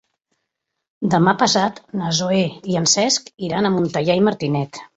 Demà passat na Zoè i en Cesc iran a Montellà i Martinet.